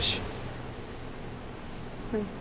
うん。